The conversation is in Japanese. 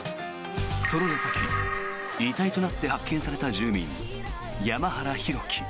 その矢先、遺体となって発見された住民、山原浩喜。